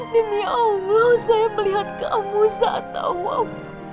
demi allah saya melihat kamu saat allah